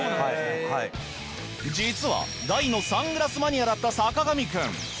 実は大のサングラスマニアだった坂上くん。